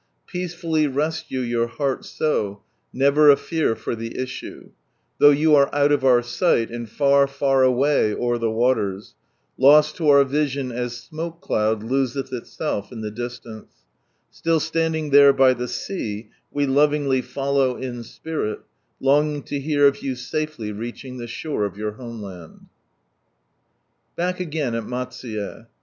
Peacefully rest you your heart so, never a fear for the i) Though you are out of our sight, and far lir away o'er t imoke cloud loseth itself in the dist Still standing there by ihe sea, we lovingly follow In npii Longing to hear of you safely reaching the shore of your Back again at Matsuye.